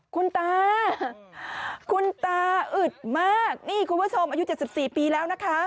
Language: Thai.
คุณตาคุณตาอึดมากนี่คุณผู้ชมอายุ๗๔ปีแล้วนะคะ